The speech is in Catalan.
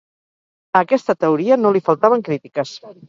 A aquesta teoria no li faltaven crítiques.